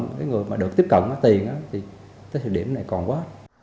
cái người mà được tiếp cận tiền thì tới thời điểm này còn quá